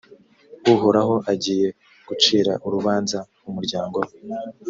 uhoraho agiye gucira urubanza umuryango we.